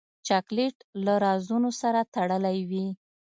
چاکلېټ له رازونو سره تړلی وي.